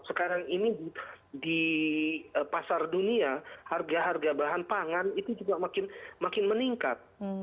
sekarang ini di pasar dunia harga harga bahan pangan itu juga makin meningkat